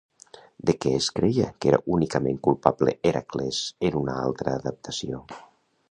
De què es creia que era únicament culpable Hèracles en una altra adaptació?